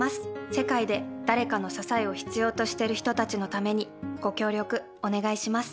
世界で誰かの支えを必要としている人たちのためにご協力、お願いします。